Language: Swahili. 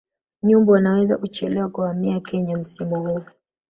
Nyumbu wanaweza kuchelewa kuhamia Kenya msimu huu